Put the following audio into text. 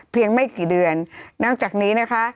ไม่กี่เดือนนอกจากนี้นะคะ